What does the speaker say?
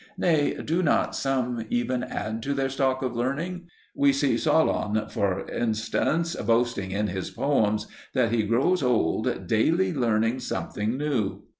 Nay, do not some even add to their stock of learning? We see Solon, for instance, boasting in his poems that he grows old "daily learning something new."